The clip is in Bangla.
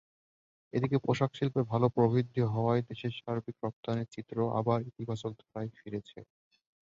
এদিকে পোশাকশিল্পে ভালো প্রবৃদ্ধি হওয়ায় দেশের সার্বিক রপ্তানির চিত্র আবার ইতিবাচক ধারায় ফিরেছে।